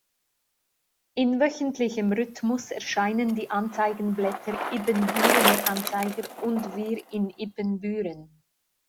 In wöchentlichem Rhythmus erscheinen die Anzeigenblätter "Ibbenbürener Anzeiger" und "Wir in Ibbenbüren".